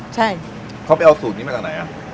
ใช่เขาไปเอาสูตรนี้มาจากไหนอ่ะ